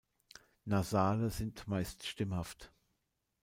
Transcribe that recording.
Nasale sind meist stimmhaft.